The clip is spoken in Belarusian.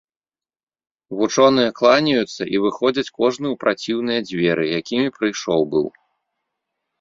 Вучоныя кланяюцца і выходзяць кожны ў праціўныя дзверы, якімі прыйшоў быў.